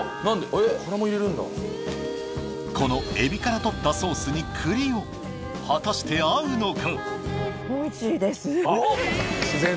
えっ殻も入れるんだこのエビからとったソースに栗を果たして合うのか？